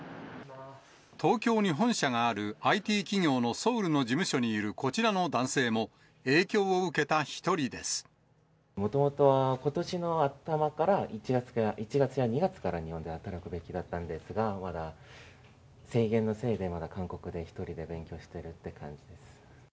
東京に本社があるＩＴ企業のソウルの事務所にいるこちらの男性も、もともとは、ことしの頭から１月や２月から日本で働くはずだったんですが、まだ制限のせいで、まだ韓国で１人で勉強してるって感じです。